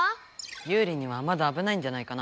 ユウリにはまだあぶないんじゃないかな？